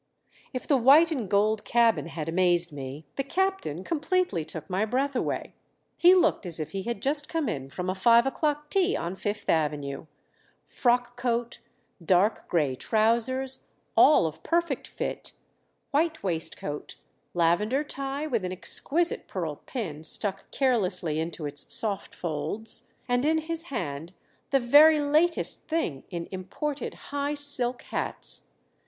If the white and gold cabin had amazed me, the captain completely took my breath away. He looked as if he had just come in from a five o'clock tea on Fifth avenue frock coat, dark gray trousers, all of perfect fit, white waistcoat, lavender tie with an exquisite pearl pin stuck carelessly into its soft folds, and in his hand the very latest thing in imported high silk hats!